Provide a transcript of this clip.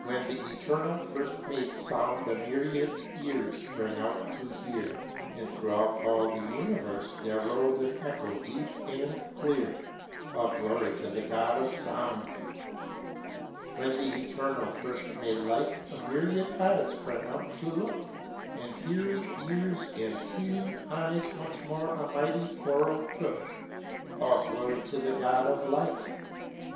When the Eternal first made Sound A myriad ears sprang out to hear, And throughout all the Universe There rolled an echo deep and clear: All glory to the God of Sound! When the Eternal first made Light A myriad eyes sprang out to look, And hearing ears and seeing eyes Once more a mighty choral took: All glory to the God of Light!